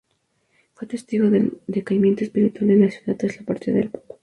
Fue testigo del decaimiento espiritual de la ciudad tras la partida del papa.